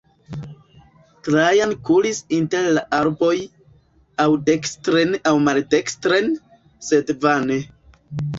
Trajan kuris inter la arboj, aŭ dekstren aŭ maldekstren, sed vane.